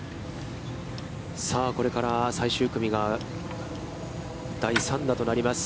さあ、これから最終組が第３打となります。